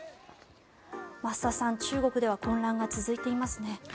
増田さん、中国では混乱が続いていますね。